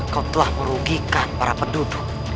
kau telah merugikan para penduduk